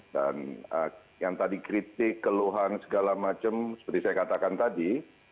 dan yang tadi kritik keluhan segala macam seperti saya katakan tadi